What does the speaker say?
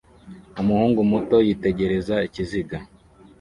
Umuhungu muto yitegereza Ikiziga